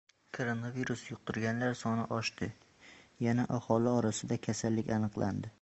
Koronavirus yuqtirganlar soni oshdi. Yana aholi orasida kasallik aniqlandi